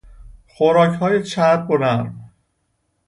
خوراکهای چرب و نرم